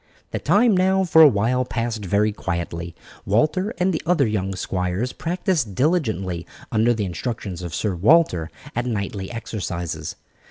The time now for a while passed very quietly. Walter and the other young squires practised diligently, under the instructions of Sir Walter, at knightly exercises.